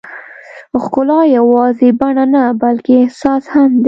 ښکلا یوازې بڼه نه، بلکې احساس هم دی.